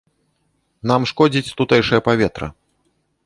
Нам шкодзіць тутэйшае паветра.